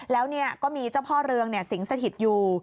แล้วก็มีเจ้าพ่อเรืองสิงสถิตอยู่